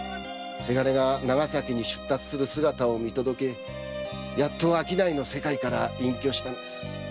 伜が長崎に出立する姿を見届けやっと商いの世界から隠居したんです。